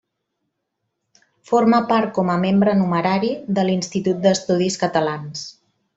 Forma part, com a membre numerari, de l'Institut d'Estudis Catalans.